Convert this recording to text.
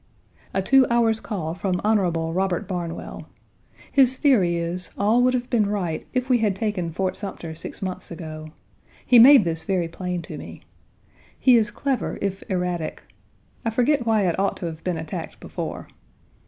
A two hours' call from Hon. Robert Barnwell. His theory is, all would have been right if we had taken Fort Sumter six months ago. He made this very plain to me. He is clever, if erratic. I forget why it ought to have been attacked before.